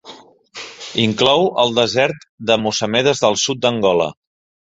Inclou el desert de Mossamedes del sud d'Angola.